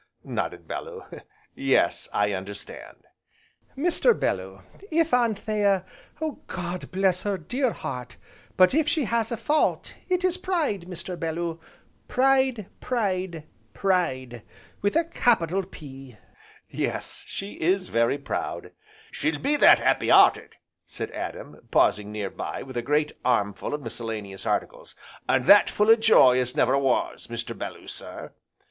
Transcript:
nodded Bellew, "yes, I understand." "Mr. Bellew, if Anthea, God bless her dear heart! but if she has a fault it is pride, Mr. Bellew, Pride! Pride! Pride! with a capital P!" "Yes, she is very proud." "She'll be that 'appy 'earted," said Adam, pausing near by with a great armful of miscellaneous articles, "an' that full o' joy as never was! Mr. Belloo sir!"